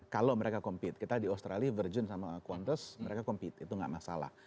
kalau mereka compete kita di australia virgin sama kuantes mereka compete itu nggak masalah